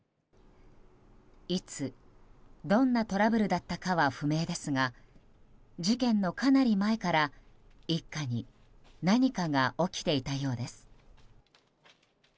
いつ、どんなトラブルだったかは不明ですが事件のかなり前から、一家に何かが起きていたようです。